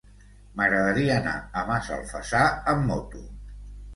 M'agradaria anar a Massalfassar amb moto.